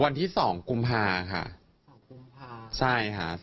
วันที่๒กุมภาค่ะ